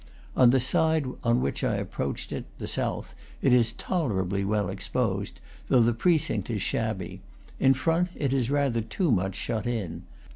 On the side on which I approached it (the south) it is tolerably well ex posed, though the precinct is shabby; in front, it is rather too much shut in.